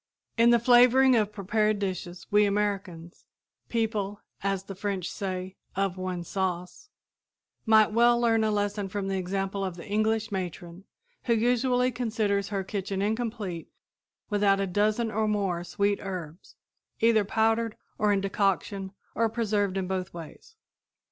In the flavoring of prepared dishes we Americans people, as the French say, "of one sauce" might well learn a lesson from the example of the English matron who usually considers her kitchen incomplete without a dozen or more sweet herbs, either powdered, or in decoction, or preserved in both ways.